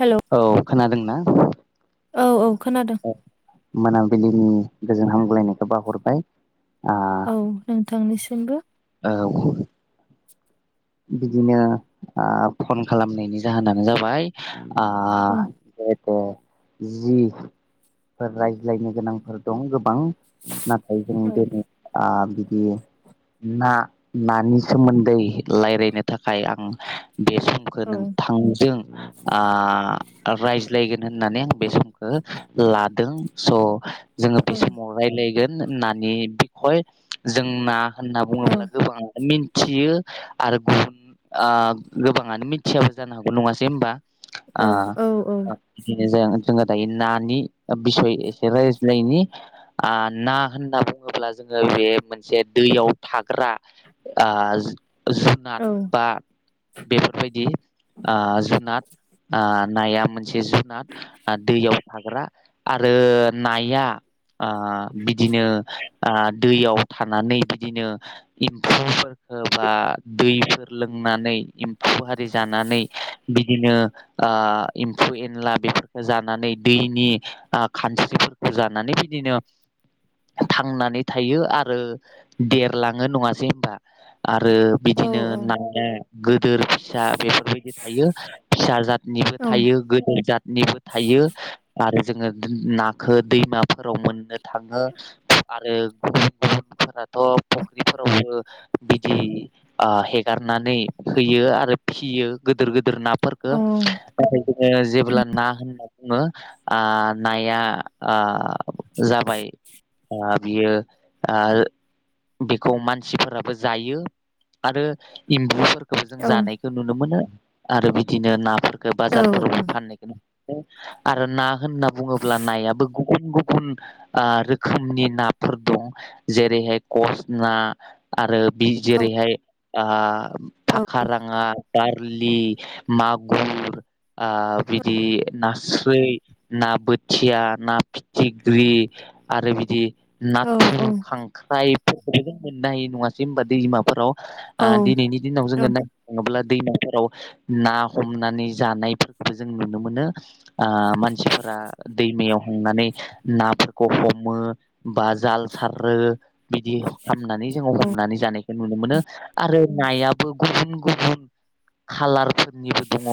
Hello औ खोनादोंना? औ औ खोनादों। मोनाबिलिनि गोजोन हामग्लायनायखौ बाहरबाय औ नोंथांनिसिमबो। औ बिदिनो फन खालामनायनि जाहोनानो जाबाय औ दे दे जिफोर रायज्लायनो गोनांफोर दं गोबां नाथाय जों औ दिनै बिदि ना नानि सोमोन्दै रायज्लायनो थाखाय आं बे समखौ औ नोंथांजों रायज्लायगोन होननानै आं बे समखौ लादों स' जोङो औ बे समाव रायलायगोन नानि बिखय जों ना होनना औ बुङोब्ला गोबाङ थयो आरो गुबुन गोबाङानो मिथियाबो जानो हागौ नङासै होमबा आ औ बिदिनो जों जोङो दायो नानि बिसय एसे रायज्लायनायनि ना होनना बुङोब्ला जोङो बे मोनसे दैयाव थाग्रा आ औ जुनाद बा बेफोरबायदि जुनाद नाया मोनसे जुनाद दैयाव थाग्रा आरो नाया बिदिनो दैयाव थानानै बिदिनो एम्फौफोरखौ बा दैफोर लोंनानै एम्फौ आरि जानानै बिदिनो एम्फौ एनला बेफोरखौ जानानै दैनि खानस्रि जानानै बिदिनो थांनानै थायो आरो देरलाङो नङासै होमबा? आरो औ बिदिनो औ ननायें गदोर फिसा बेफोरबायदि थायो फिसा जातनिबो थायो गोदेर जतनिबो थायो आरो जोङो नाखो दैमाफोराव मोननो थाङो। आरो गुबुन गुबुनफोराथ' फुख्रिफोरावबो बिदि हेगारनानै होयो आरो फियो गोदोर गोदोर ना फोरखो नाथाय जोङो जेब्ला ना होनना बुङो ओ नाया ओ जाबाय ओ बियो ओ बेखौ मानसिफोर जायो आरो एम्बुफोरखौबो जों जानाय नुनो मोनो आरो बिदिनो नाफोरखौ बाजारफोराव फाननायखौ आरो ना होनना बुङोब्ला नायाबो गुबुन गुबुन ओ रोखोमनि नाफोर दं जेरैहाय कच ना आरो बि जेरैहाय फाखा राङा बारलि मागुर ओ बिदि नास्रै ना बोथिया ना फिथिख्रि आरो बिदि नाथुर खांख्राइ मोननो हायो नङासै होमबा दैमाफोराव ओ दिनैनि दिनाव जोङो नाय थाङोब्ला दैमाफोराव ना हमनानै जानायफोरखौबो जों नुनो मोनो ओ मानसिफोरा दैमायाव हांनानै नाफोरखौ हमो बा जाल सारो बिदि खामनानै जों हम नानै जानायखौ नुनो मोनो आरो नायाबो गुबुन गुबुन खालारफोरनिबो दङ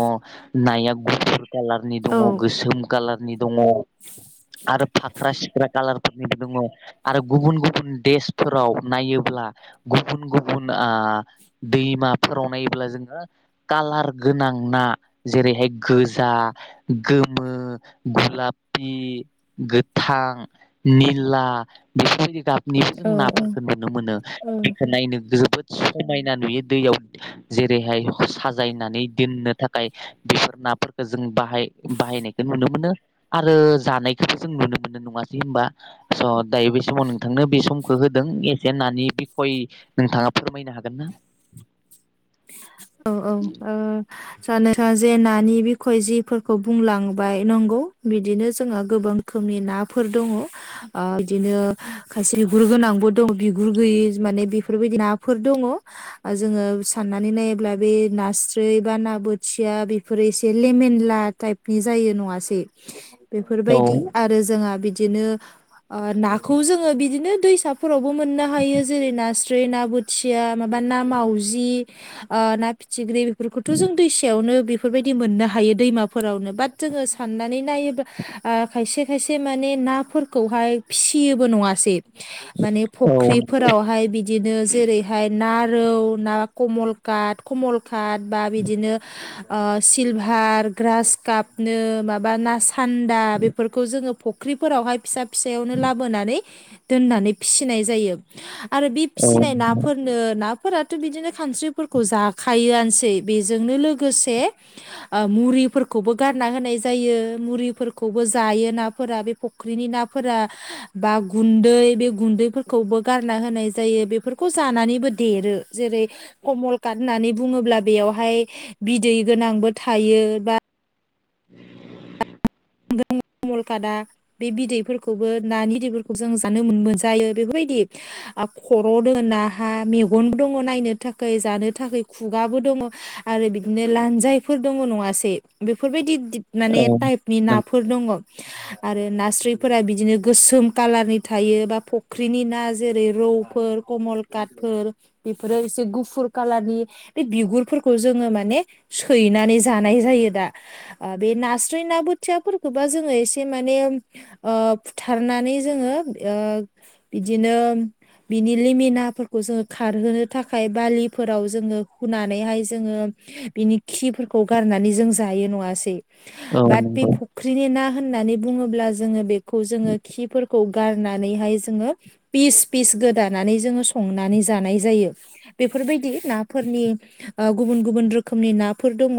नाया गुफुर कालारनि दङ गोसोम कालारनि दङ आरो फाख्रा -सिख्रा कालार निबो दङ आरो गुबुन गुबुन देशफोराव नायोब्ला गुबुन गुबुन दैमाफोराव नायोब्ला जोङो कालार गोनां ना जेरैहाय गोजा गोमो गुलापि गोथां निला बेफोरबायदि गाबनिबो औ जों नाफोरखौ नुनो मोनो औ बेखौ नायनो जोबोद समायना नुयो दैयाव जेरैहाय साजायनानै दोननो थाखाय बेफोर नाफोरखौ जों बाहाय बाहायनायखौ नुनो मोनो आरो जानायखौबो जों नुनो मोनो नङासै होनबा स' दायो बे समाव नोंथांनो बे समखौ होदों एसे नानि खयै नोंथाङा फोरमायनो हागोन ना औ औ ओ जानो थां जे नानि बिखय जिफोरखौ बुंलांबाय नंगौ बिदिनो जोंहा गोबां रोखोमनि नाफोर दङ ओ बिदिनो खायसे बिगुर गोनांबो दङ बिगुर गैयि माने बेफोरबायदि नाफोर दङ। ओ जोङो साननानै नायोब्ला बे नास्राय बा ना बोथिया बेफोरो एसे लेमेनला टाइप बि जायो नङासै। औ बेफोरबायदि आरो जोंहा बिदिनो नाखौ जोङो बिदिनो दैसाफोरावबो मोननो हायो जेरै नास्रे ना ब खोथिया माबा ना मावजि ना फिथिख्रि बेफोरखौथ' जों दैसायावनो बेफोरबायदि मोननो हायो दैमाफोरावनो बाट जोङो साननानै नायोब्ला खायसे खायसे माने नाफोरखौहाय फिसियोबो नङासै माने औ फुख्रिफोरावहाय बिदिनो जेरैहाय ना रौ ना कमल काट कमल काट बा बिदिनो ओ सिलभार ग्रास कापनो माबा नाासान्दा बेफोरखौ जोङो फ फुख्रिफोरावहाय फिसा फिसायावनो लाबोनानै दोननानै फिसिनाय जायो आरो बे फिसिनाय नाफोरनो नाफोराथ' बिदिनो खानस्रिफोरखौ जाखायोआनोसै बेजोंनो लोगोसे ओ मुरिफोरखौबो गारना होनाय जायो मुरिफोरखौबो जायो नाफोरा बेफोर फुख्रिनि नाफोरा बा गुन्दै बे गुन्दैफोरखौबो गारना होनाय जायो बेफोरखौ जानानैबो देरो। जेरै कमलकाट होननानै बुङोब्ला बेयावहाय बिदै गोनांबो थायो बा [unintelligible] कमलकादा बे बिदैफोरखौबो नानि बिदैफोरखौ जों जानो मोनजायो बेफोरबायदि ओ खर' दङ नाहा मेगनबो दङ नायनो थाखाय जानो थाखाय खुगाबो दङ। आरो बिदिनो लान्जायफोर दङ नङासै बेफोरबायदि माने टाइप नि नंगौ औ नों नाफोर दङ। आरो नास्रायफोरा बिदिनो गोसोम कालारनि थायो बा फुख्रिनि ना जेरै रौफोर कमल काथफोर बेफोरो एसे गुफुर कालारनि बे बिगुरफोरखौ जोङो माने सैनानै जानाय जायो दा। ओ बे नास्राय नाबो खोथियाफोरखौबा जोङो एसे माने ओ फुथारनानै जोङो ओ बिदिनो बिनि लिमिनाफोरखौ जोङो खारहोनो थाखाय बालिफोराव जोङो हुनानैहाय जोङो बिनि खिफोरखौ गारनानै जों जायो नङासै। औ बाट बे नंगौ। फुख्रिनि ना होननानै बुङोब्ला जोङो बेखौ जोङो खिफोरखौ खौ गारनानैहाय जोङो फिस फिस गोदानानै जोङो संनानै जानाय जायो। बेफोरबायदि नाफोरनि ओ गुबुन गुबुन रोखोमनि नाफोर दङ।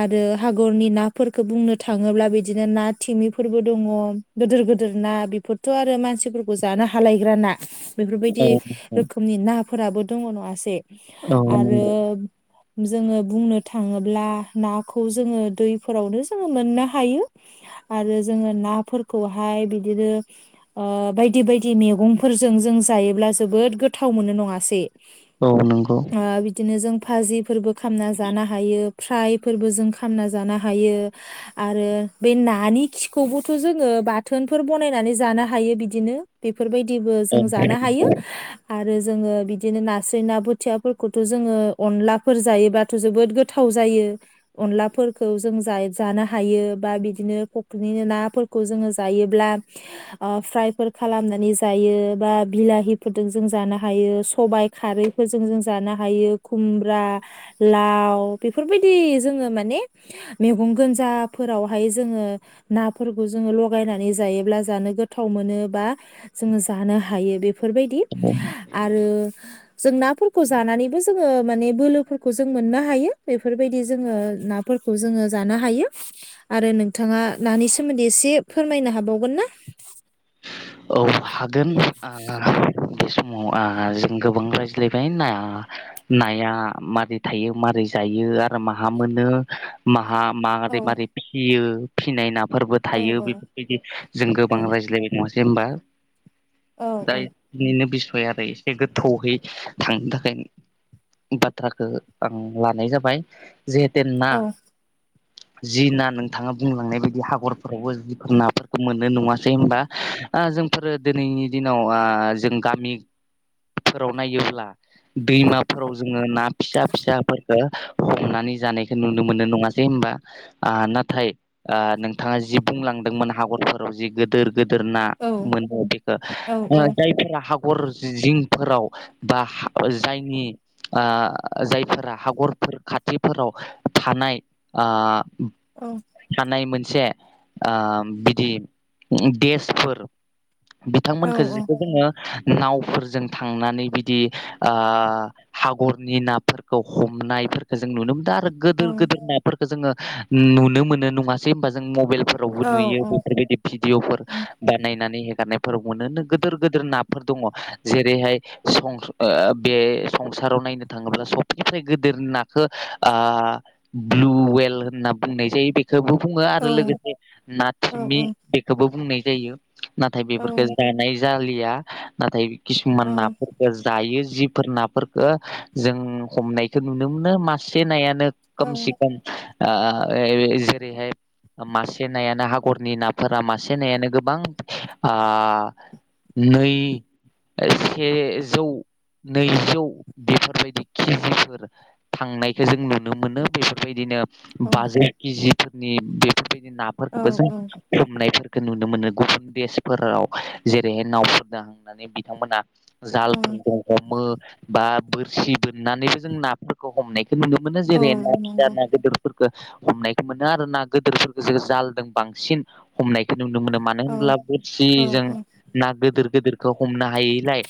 आरो हागरनि नाफोरखौ बुंनो थाङोब्ला बिदिनो ना थिमिफोरबो दङ गिदिर गिदिर ना बेफोरथ' आरो मानसि खौ जानो हालायग्रा ना औ बेफोरबायदि रोखोमनि नाफोराबो दङ नङसे आरो नंगौ जोङो बुंनो थाङोब्ला नाखौ जोङो दैफोरावनो जों मोननो हायो आरो जोङो नाफोरखौहाय बिदिनो ओ बायदि बायदि मैगंफोरजों जों जायोब्ला जोबोद गोथाव मोनो नङासै। औ नंगौ। ओ बिदिनो जों भाजिफोरबो खामना जानो हायो फ्रायफोरबो जों खामना जानो हायो। आरो बे नानि खिखौबोथ' जोङो बाथोनफोर बनायनानै जानो हायो बिदिनो बेफोरबायदिबो औ जों जानो नंगौ हायो। औ आरो जोङो बिदिनो नास्राय ना बोथियाफोरखौथ' जोङो अनलाफोर जायोबा थ' जोबोद गोथाव जायो अनलाफोरखौ जों जा जानो हायो बा बिदिनो फुख्रिनिनो नाफोरखौ जोङो जायोब्ला ओ फ्रायफोर खालामनानै जायो बा बिलाहिफोरजों जों जानो हायो सबाइ खारै फोरजों जों जानो हायो खुमब्रा लाव बेफोरबायदि जोङो माने मैगं गोजाफोरावहाय जोङो नाफोरखौ जोङो लगायनानै जायोब्ला जानो गोथाव मोनो बा जोङो जानो हायो बेफोरबायदि आरो जों नाफोरखौ जानानैबो जोङो माने बोलोफोरखौ जों मोननो हायो बेफोरबायदि जोङो ना फोरखौ जोङो जानो हायो आरो नोंथाङा नानि सोमोन्दै एसे फोरमायनो हाबावगोन ना औ हागोन आ बे समाव आ जों गोबां रायज्लायबाय ना नाया मारै थायो माबारै जायो आरो माहा मोनो। माहा मारै औ मारै फियो फिनाय नाफोरबो औ थायो बे बिदि जों औ गोबां रायज्लायो नङासै होमबा औ दा बिनिनो बिसय आरो एसे गोथौयै थांनो थाखायनो बाथ्राखो आं लानाय जाबाय जिहेते ना औ जि ना नोंथाङा बुंलांनाय बायदि हगरफोरावबो जिफोर नाफोरखौ मोनो नवासै होमबा ओ जोंफोरो दिनैनि दिनाव ओ जों गामिफोराव नायोब्ला दैमाफोराव जोङो ना फिसा फिसा फोरफोरखो हमनानै जानायखौ नुनो मोननाय नङासै होनोमबा आ नाथाय ओ नोंथाङा जि बुंलांदोंमोन हागरफोराव जि गोदोर गोदोर ना औ मोनो बेखौ औ ओ जायफोरा हगर जिंफोराव बा हा जायनि ओ जायफोरा हगरफोर खाथिफोराव थानाय ओ औ थानाय मोनसे ओ बिदि देसफोर औ बिथांमोनखो जिखौ जोङो नावफोरजों थांनानै बिदि ओ हागरनि नाफोरखौ हमनायफोरखौ जों नुनो मोनदों आरो गोदोर गोदोर नाफोरखौ जोङो नुनो मोनो नङासै होमबा जों मबाइलफो रावबो नुयो औ औ बेफोरबायदि भिडिअफोर औ बाथ नायनानै हेगारनायफोराव मोनो गोदोर गोदोर नाफोर दङ जेरैहाय सं ओ बे संसाराव नायनो थाङोब्ला सबनिफ्राय गोदोर नाखौ आ ब्लु वेल होनना बुंनाय जायो बे खौबो बुङो आरो लोगोसे ना थिमि बेखौबो बुंनाय जायो। नाथाय बेफोरफोरखौ जानाय जालिया नाथाय किसुमान नाफोर जायो जिफोर नाफोरफोरखौ जों हमनायखौ नुनो मोनो मासे नायानो कम से कम आ ओइ जेरैहाय मासे नायानो हागरनि नाफोरा मासे नायानो गोबां आ नै से जौ नै जौ बेफोरबायदि केजिफोर थांनायखौ जों नुनो मोनो बेफोरबायदिनो बाजौ केजिफोरनि बेफोरबायदि नाफोरखौबो जों हमनायफोरखौ नुनो मोनो गुबुन देशफोराव जेरैहाय नावफोरजों हांना नै बिथांमोना औ जालफोरजों हमो बा बोरसि बोननानैबो जों नाफोरखौ हमनाय खौ नुनो मोनो औ जेरै ना फिसा नंगौ ना गिदिरफोरखो हमनाय मोनो आरो ना गोदोरफोरखौ जों जालदों बांसिन हमनायखौ नुनो मोनो मानो औ होनब्ला औ बोरसिजों औ ना गोदिर गोदिरखौ हमनो हायैलाय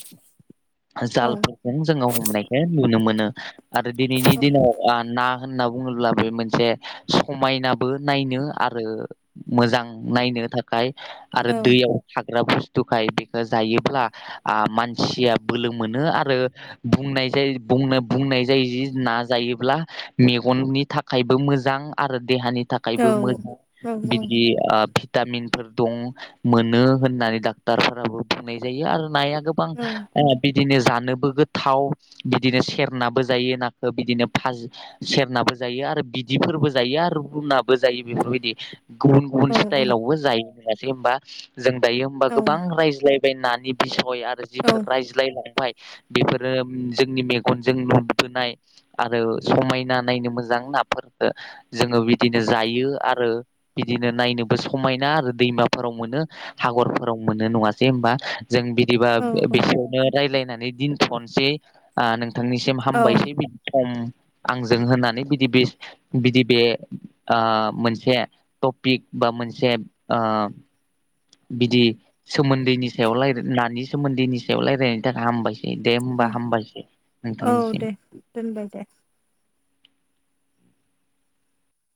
औ औ औ जालफोर जों जोङो हमनायखौ नुनो मोनो आरो दिनैनि दिनाव आ ना होनना बुङोब्ला बे मोनसे हमायनाबो नायनो आरो मोजां नायनो थाखाय आरो दैयाव थाग्रा बुस्थुखाय बेखौ जायोब्ला मानसिया बोलो मोनो आरो बुंनाय जायो बुंनो बुंनाय जायो जि ना जायोब्ला मेगननि थाखायबो मोजां। आरो देहानि थाखायबो मोजां बिदि भिटामिनफोर दं मोनो होननानै डाक्टरफोराबो बुंनाय जायो आरो नाया गोब बां औ ओ बिदिनो जानोबो गोथाव बिदिनो सेरनाबो जायो नाखौ बिदिनो फाजि सेरनाबो जायो आरो बिदिफोरबो जायो आरो रुनाबो जायो बेफोरबायदि गुबुन गुबुन औ औ स्टाइलावबो जायो नंङासै होनबा। जों दायो होमबा औ गोबां रायज्लायबाय नानि बिसय आरो औ जिफोर रायज्लायलांबाय बेफोरो जोंनि मेगनजों नुुबोनाय आरो समायना नायनो मोजां नाफोरखो जोङो बिदिनो जायो आरो। बिदिनो नायनोबो समायना आरो दैमाफोराव मोनो हागरफोराव मोनो नङासै होमबा? जों बिदिबा औ औ बेसेयावनो रायलायनानै दोनथ'नोसै ओ नोंथांनिसिम औ हामबायसै बिदि सम आंजों होननानै बिदि बे बिदि बे ओ मोनसे ओ टपिक बा मोनसे ओ बिदि सोमोन्दैनि सायाव लायराय नानि सोमोन्दैनि सायाव रायलायनायनि थाखाय हामबाय दे औ होमबा हामबायसै औ नोंथांनिसिम। दे दोनबाय दे।